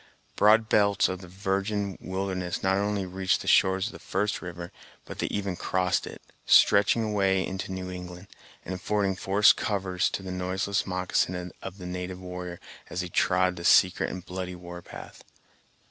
Broad belts of the virgin wilderness not only reached the shores of the first river, but they even crossed it, stretching away into New England, and affording forest covers to the noiseless moccasin of the native warrior, as he trod the secret and bloody war path.